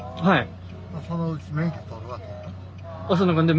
はい。